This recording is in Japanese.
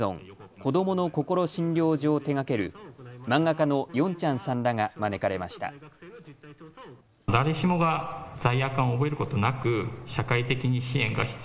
−こどものこころ診療所−を手がける漫画家のヨンチャンさんらが招かれました。